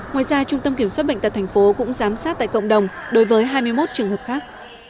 ngoài ra trung tâm kiểm soát bệnh tật tp cũng giám sát tại cộng đồng đối với hai mươi một trường hợp khác